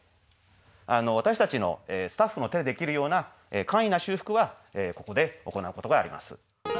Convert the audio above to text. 私たちのスタッフの手でできるような簡易な修復はここで行うことがあります。